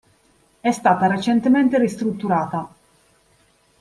È stata recentemente ristrutturata.